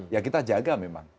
ya kita jaga memang